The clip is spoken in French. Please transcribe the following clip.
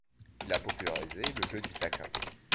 Il a popularisé le jeu du taquin.